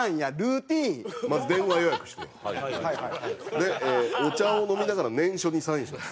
で、お茶を飲みながら念書にサインします。